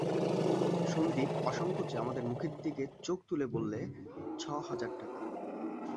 সন্দীপ অসংকোচে আমাদের মুখের দিকে চোখ তুলে বললে, ছ হাজার টাকা।